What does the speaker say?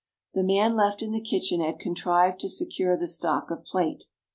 The man left in the kitchen had contrived to secure the stock of plate.